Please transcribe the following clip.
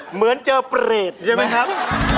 เหมือนเจอเปรตใช่ไหมครับ